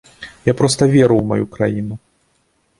Я проста веру ў маю краіну.